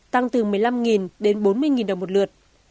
tăng từ một mươi năm đến bốn mươi đồng một lượt